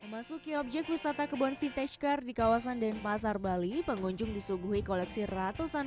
memasuki objek wisata kebun vintage car di kawasan denpasar bali pengunjung disuguhi koleksi ratusan